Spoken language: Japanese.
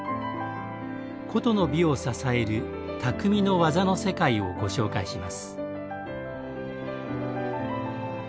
古都の美を支える「匠の技の世界」をご紹介します。